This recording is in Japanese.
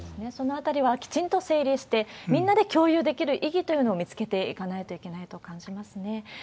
そのあたりはきちんと整理して、みんなで共有できる意義というのを見つけていかないといけないと感じますね。